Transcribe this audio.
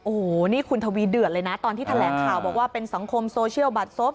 โอ้โหนี่คุณทวีเดือดเลยนะตอนที่แถลงข่าวบอกว่าเป็นสังคมโซเชียลบัตรซบ